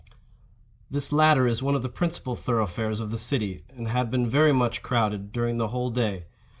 This latter is one of the principal thoroughfares of the city, and had been very much crowded during the whole day.